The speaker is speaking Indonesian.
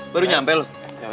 baru nyampe lu